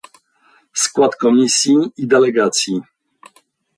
Skład komisji i delegacji